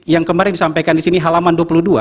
yang kemarin disampaikan di sini halaman dua puluh dua